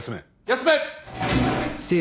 休め。